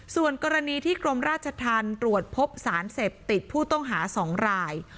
ส่วนกรณีที่กรมราชธรรมตรวจพบสารเสพติดผู้ต้องหา๒ราย